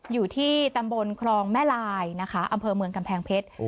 อยู่ที่ตำบลครองแม่ลายนะคะอำเภอเมืองกำแพงเพชร